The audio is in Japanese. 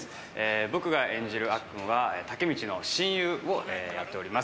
僕が演じるあっくんは武道の親友をやっております。